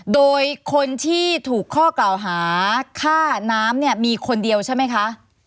โดยคนที่ถูกข้อกล่าวหาค่าน้ำเนี่ยมีคนเดียวใช่ไหมคะ